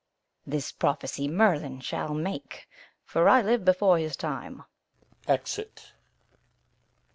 This prophecy Merlin shall make, for I live before his time. Exit.